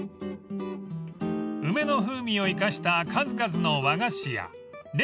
［梅の風味を生かした数々の和菓子や冷菓が人気です］